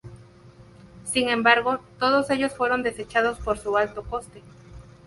Sin embargo, todos ellos fueron desechados por su alto coste.